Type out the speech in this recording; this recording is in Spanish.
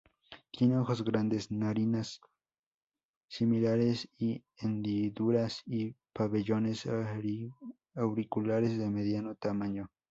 Tiene ojos grandes, narinas similares a hendiduras y pabellones auriculares de mediano tamaño.